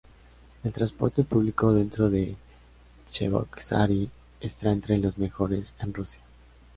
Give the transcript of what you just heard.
El transporte público dentro de Cheboksary está entre los mejores en Rusia.